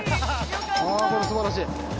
あー、すばらしい。